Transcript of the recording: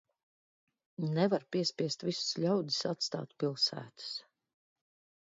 Nevar piespiest visus ļaudis atstāt pilsētas.